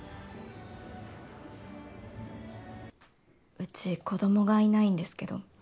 うち子どもがいないんですけど。